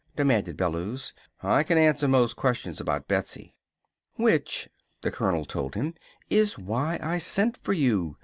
demanded Bellews. "I can answer most questions about Betsy!" "Which," the colonel told him, "is why I sent for you.